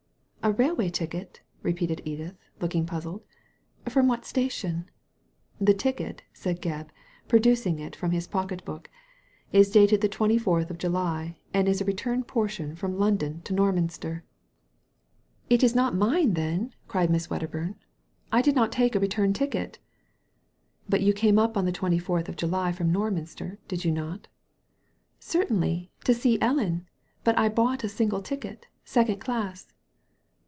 "A railway ticket!" repeated Edith, looking puzzled. From what station ?" "The ticket," said Gebb, producing it from his pocket book, " is dated the twenty fourth of July, and is a return portion from London to Norminster 1 " Digitized by Google 192 THE LADY FROM NOWHERE " It is not mine, then !" cried Miss Wedderburn. I did not take a return ticket." " But you came up on the twenty fourth of July from Norminster, did you not ?^ Certainly ; to see Ellea But I bought a single ticket, second class."